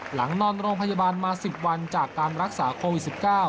นอนโรงพยาบาลมา๑๐วันจากการรักษาโควิด๑๙